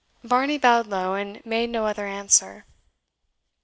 Varney bowed low, and made no other answer.